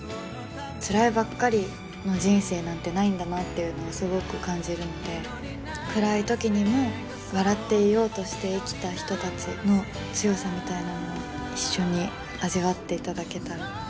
つらいばっかりの人生なんてないんだなっていうのをすごく感じるので暗い時にも笑っていようとして生きた人たちの強さみたいなものを一緒に味わっていただけたらうれしいなと思います。